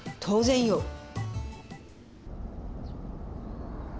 当然よ。